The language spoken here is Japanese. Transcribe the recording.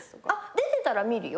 出てたら見るよ。